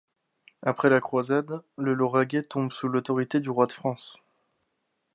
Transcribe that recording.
Après la croisade, le Lauragais tombe sous l'autorité du roi de France.